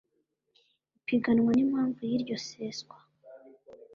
ipiganwa n impamvu y iryo seswa